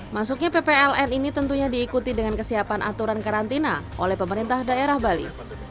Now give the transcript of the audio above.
masuknya ppln ini tentunya diikuti dengan kesiapan aturan karantina oleh pemerintah daerah bali